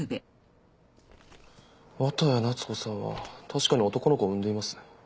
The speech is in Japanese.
綿谷夏子さんは確かに男の子を生んでいます。